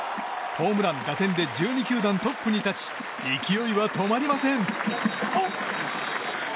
ホームラン打点で１２球団トップに立ち勢いは止まりません。